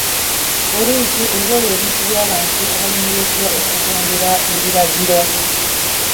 Poliisi eboye ebintu by'abantu abalemereddwa okugondera ebiragiro.